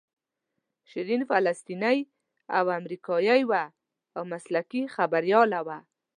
شیرین فلسطینۍ او امریکایۍ وه او مسلکي خبریاله وه.